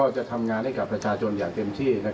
จะทำงานให้กับประชาชนอย่างเต็มที่